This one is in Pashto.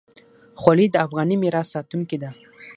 خولۍ د افغاني میراث ساتونکې ده.